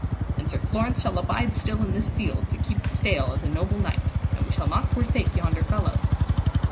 And Sir Florence shall abide still in this field to keep the stale as a noble knight, and we shall not forsake yonder fellows.